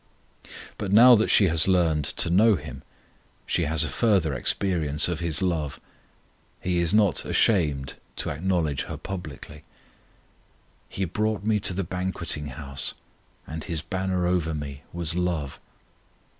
But now that she has learned to know Him, she has a further experience of His love. He is not ashamed to acknowledge her publicly. He brought me to the banqueting house, And His banner over me was love.